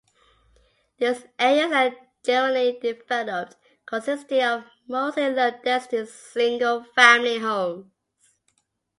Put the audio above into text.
These areas are generally developed, consisting of mostly low-density single-family homes.